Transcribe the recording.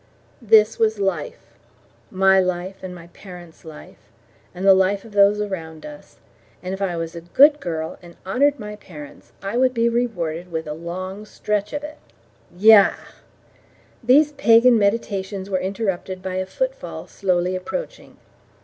This was life, my life and my parents' life, and the life of those around us, and if I was a good girl and honoured my parents I would be rewarded with a long stretch of it. Yah! These pagan meditations were interrupted by a footfall slowly approaching.